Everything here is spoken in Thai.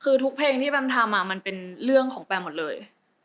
คือทุกเพลงที่แปมทำมันเป็นเรื่องของแปมหมดเลย